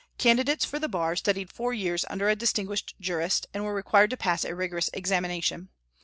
Candidates for the bar studied four years under a distinguished jurist, and were required to pass a rigorous examination.